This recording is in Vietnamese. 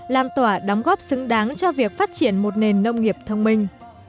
lan tỏa đóng góp xứng đáng cho việc phát triển một nền nông nghiệp thông minh